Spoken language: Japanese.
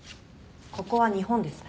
ここは日本です。